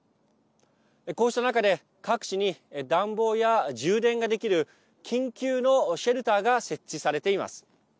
こうした中で各地に暖房や充電ができる緊急のシェルターが設置されています。